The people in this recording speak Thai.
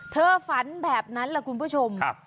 เธอฝันแบบนั้นล่ะคุณผู้ชมครับ